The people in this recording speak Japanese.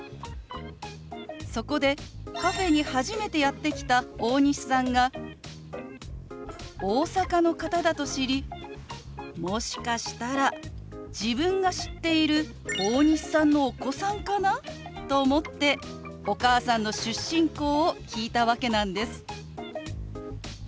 そこでカフェに初めてやって来た大西さんが大阪の方だと知りもしかしたら自分が知っている大西さんのお子さんかなと思ってお母さんの出身校を聞いたわけなんです。